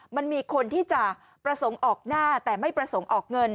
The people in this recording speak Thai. มันมีคนที่จะประสงค์ออกหน้าแต่ไม่ประสงค์ออกเงิน